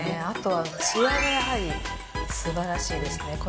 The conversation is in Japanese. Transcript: あとはツヤがやはりすばらしいですね。